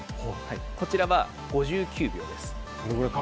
こちらは５９秒です。